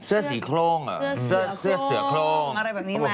เสื้อสีโครงเสื้อเสือโครงอะไรแบบนี้ถูกไหม